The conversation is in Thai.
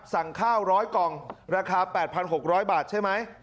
สั่งข้าว๑๐๐กล่องราคา๘๖๐๐บาทใช่ไหม